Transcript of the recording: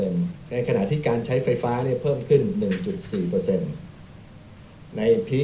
ในขณะที่การใช้ไฟฟ้าเพิ่มขึ้น๑๔